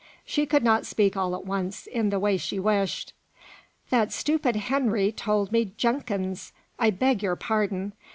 She could not speak all at once in the way she wished. "That stupid Henry told me 'Jenkins!' I beg your pardon.